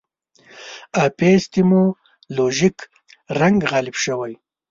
اپیستیمولوژیک رنګ غالب شوی.